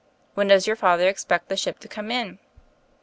When does your father ex pect the ship to come in?"